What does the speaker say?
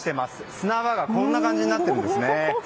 砂場がこんな感じになっているんですね。